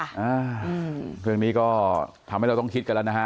อ่าเรื่องนี้ก็ทำให้เราต้องคิดกันแล้วนะฮะ